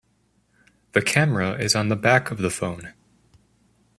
The camera is on the back of the phone.